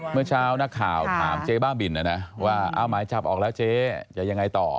เมื่อเช้านักข่าวถามเจ๊บ้าบินนะนะว่าเอาหมายจับออกแล้วเจ๊จะยังไงต่อ